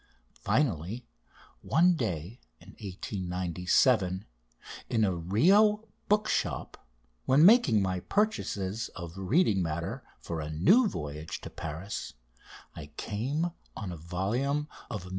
Finally, one day in 1897, in a Rio book shop, when making my purchases of reading matter for a new voyage to Paris, I came on a volume of MM.